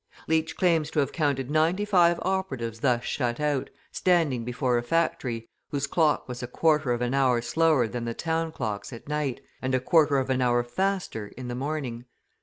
Leach claims to have counted ninety five operatives thus shut out, standing before a factory, whose clock was a quarter of an hour slower than the town clocks at night, and a quarter of an hour faster in the morning.